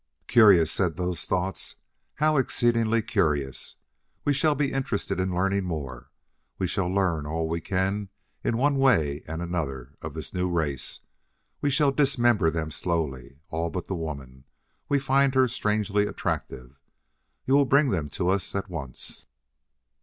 "Curious!" said those thoughts. "How exceedingly curious! We shall be interested in learning more. We shall learn all we can in one way and another of this new race. We shall dismember them slowly, all but the woman: we find her strangely attractive.... You will bring them to us at once."